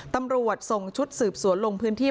ตำรวจส่งชุดสืบสวนลงพื้นที่